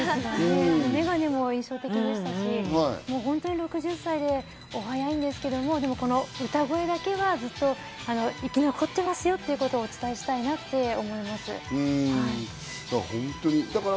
眼鏡も印象的でしたし、６０歳でお早いですけど、歌声だけはずっと生き残ってますよっていう事をお伝えしたいなって思います。